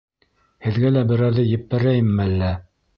Һеҙгә лә берәрҙе еппәрәйемме әллә?